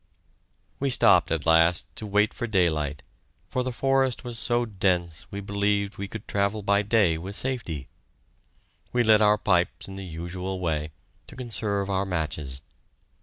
We stopped at last to wait for daylight, for the forest was so dense we believed we could travel by day with safety. We lit our pipes in the usual way, to conserve our matches.